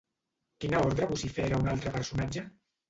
Quina ordre vocifera un altre personatge?